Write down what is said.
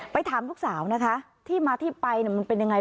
ถามลูกสาวนะคะที่มาที่ไปมันเป็นยังไง